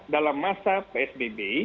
dalam masa psbb